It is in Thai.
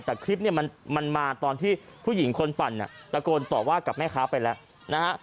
แต่คลิปเนี่ยมันมาตอนที่ผู้หญิงคนปั่นตะโกนต่อว่ากับแม่ค้าไปแล้วนะฮะ